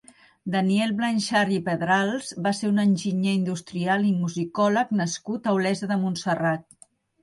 Daniel Blanxart i Pedrals va ser un enginyer industrial i musicòleg nascut a Olesa de Montserrat.